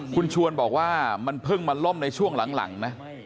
คุณชวนบอกว่ามันเพิ่งมาล่มในช่วงหลังนะ